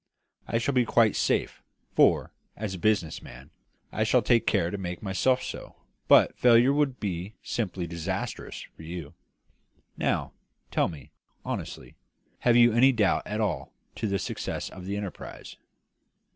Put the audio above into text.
I shall be quite safe, for, as a business man, I shall take care to make myself so; but failure would be simply disastrous for you. Now, tell me, honestly, have you any doubt at all as to the success of the enterprise?"